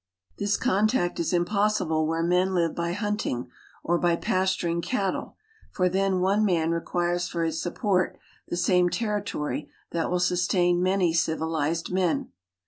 This contact is impossible where men live by hunting, or by pasturing cattle, for then one man requires for his support the same territory that will sustain many civilized men.